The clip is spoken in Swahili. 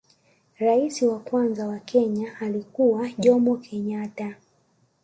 rais wa kwanza wa kenya alikuwa jomo kenyatta